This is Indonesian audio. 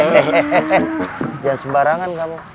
jangan sembarangan kamu